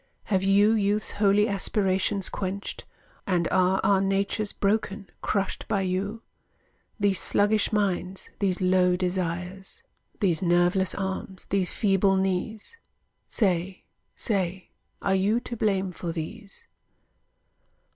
Have you youth's holy aspirations quenched? And are our natures broken, crushed by you? These sluggish minds, these low desires, These nerveless arms, these feeble knees. Say, say, are you to blame for these?